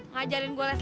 ngajarin gua ngajarin